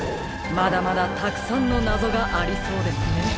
まだまだたくさんのなぞがありそうですね。